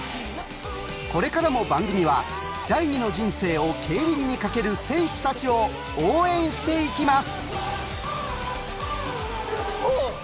これからも番組は第２の人生を競輪に懸ける選手たちを応援していきます